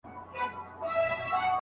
دروغ په مینه کي ځای نه لري.